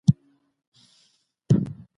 نوم به یې له ملي